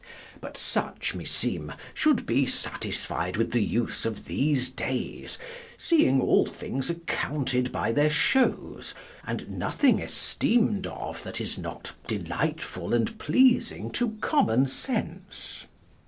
But such, me seeme, should be satisfide with the use of these dayes, seeing all things accounted by their showes, and nothing esteemed of, that is not delightfull and pleasing to commune sence.